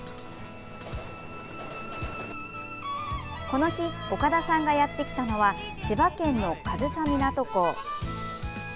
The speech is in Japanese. この日岡田さんがやってきたのは千葉県の上総湊港。